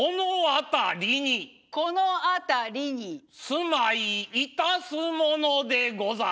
「住まいいたすものでござる」。